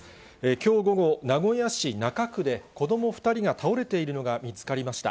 きょう午後、名古屋市中区で子ども２人が倒れているのが見つかりました。